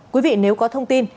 quý vị nếu có thông tin